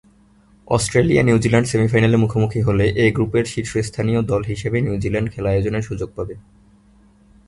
Australia-New Zealand সেমি-ফাইনালে মুখোমুখি হলে এ-গ্রুপের শীর্ষস্থানীয় দল হিসেবে নিউজিল্যান্ড খেলা আয়োজনের সুযোগ পাবে।